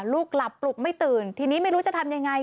ลูกหลับปลุกไม่ตื่นทีนี้ไม่รู้จะทำยังไง